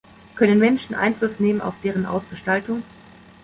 Können Menschen Einfluss nehmen auf deren Ausgestaltung?